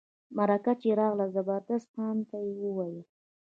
مرکه چي راغله زبردست خان ته وویل.